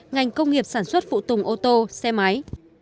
ngành công nghiệp sản xuất phụ tùng ô tô xe máy